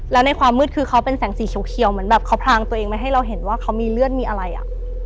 แล้วในความมืดคือเขาเป็นแสงสีเขียวเหมือนแบบเขาพรางตัวเองไว้ให้เราเห็นว่าเขามีเลือดมีอะไรอ่ะ